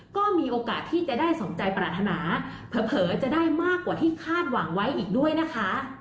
ก็มีโอกาสที่จะได้สมใจปรารถนาเผลอจะได้มากกว่าที่คาดหวังไว้อีกด้วยนะคะ